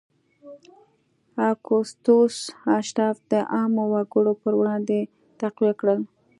اګوستوس اشراف د عامو وګړو پر وړاندې تقویه کړل